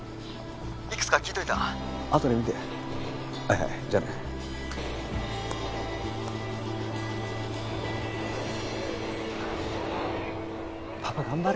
いくつか聞いといたあとで見てはいはいじゃあねよしパパ頑張れ